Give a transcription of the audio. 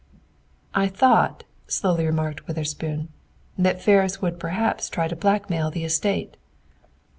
"I thought," slowly remarked Witherspoon, "that Ferris would perhaps try to blackmail the estate!"